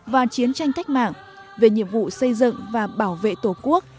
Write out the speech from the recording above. và chiến tranh cách mạng về nhiệm vụ xây dựng và bảo vệ tổ quốc